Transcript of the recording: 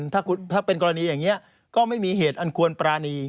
ถ้าเป็นกรณีอย่างนี้ก็ไม่มีเหตุอันควรปรานี